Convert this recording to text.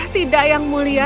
tidak yang mulia